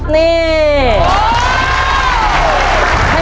นี่